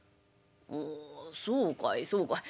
「おおそうかいそうかい。